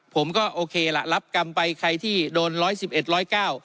ผมก็โอเคล่ะรับกรรมไปใครที่โดนร้อยสิบเอ็ดร้อยเก้า